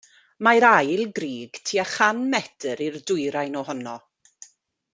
Mae'r ail grug tua chan metr i'r dwyrain ohono.